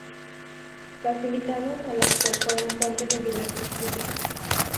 Los invitados al acto fueron fuente de diversas críticas.